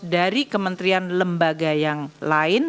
dari kementerian lembaga yang lain